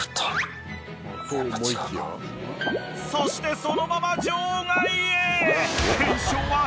そしてそのまま場外へ。